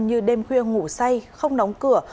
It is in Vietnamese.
như đêm khuya ngủ say không đóng cửa